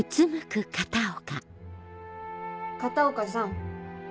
片岡さん。